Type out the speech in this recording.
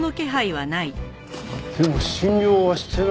でも診療はしてないようだ。